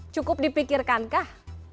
cukup dipikirkan kah